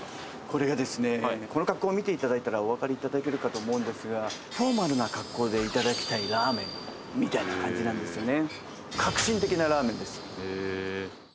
この格好を見ていただいたらおわかりいただけるかと思うんですがフォーマルな格好でいただきたいラーメンみたいな感じなんですよね